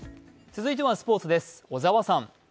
続いてはスポーツです、小沢さん。